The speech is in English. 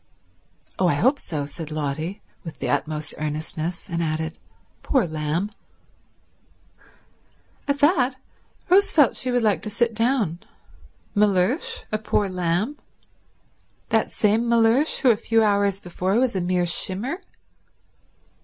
"Oh, I hope so," said Lotty with the utmost earnestness; and added, "Poor lamb." At that Rose felt she would like to sit down. Mellersh a poor lamb? That same Mellersh who a few hours before was mere shimmer?